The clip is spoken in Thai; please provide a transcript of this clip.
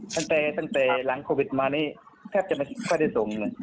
ตั้งแต่หลังโควิดมานี้แทบจะไม่ค่อยได้ส่ง